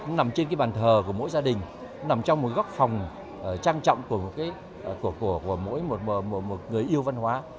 nằm trên bàn thờ của mỗi gia đình nằm trong một góc phòng trang trọng của mỗi một người yêu văn hóa